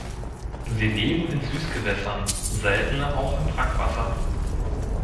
Sie leben in Süßgewässern, seltener auch im Brackwasser.